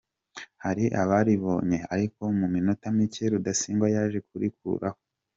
hari abaribonye ariko mu minota mike Rudasingwa yaje kurikuraho.